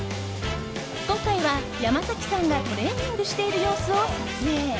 今回は山崎さんがトレーニングしている様子を撮影。